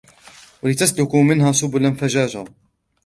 لتسلكوا منها سبلا فجاجا